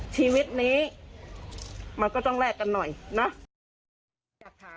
ชีวิตนี้มันก็ต้องแลกกันหน่อยนะ